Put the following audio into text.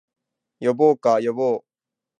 呼ぼうか、呼ぼう